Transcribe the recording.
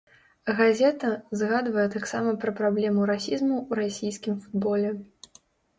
Газета згадвае таксама пра праблему расізму ў расійскім футболе.